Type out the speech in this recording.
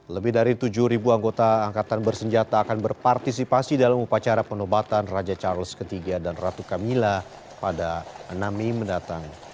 lebih dari tujuh anggota angkatan bersenjata akan berpartisipasi dalam upacara penobatan raja charles iii dan ratu kamila pada enam mei mendatang